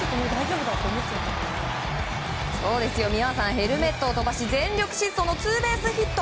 ヘルメットを飛ばしツーベースヒット。